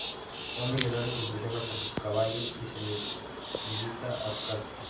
Un millonario se impresiona por su caballo y le invita a su casa.